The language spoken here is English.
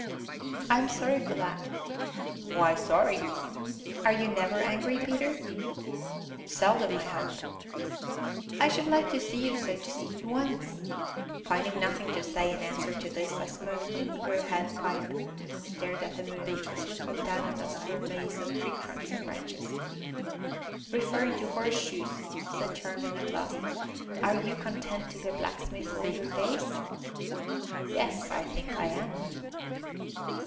"I am sorry for that." "Why sorry?" "Are you never angry, Peter?" "Seldom, I hope." "I should like to see you so just once." Finding nothing to say in answer to this, I smoked my negro head pipe and stared at the moon, which was looking down at us through a maze of tree trunks and branches. "Referring to horseshoes," said Charmian at last, "are you content to be a blacksmith all your days?" "Yes, I think I am."